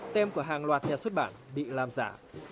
tem của hàng loạt nhà xuất bản bị làm giả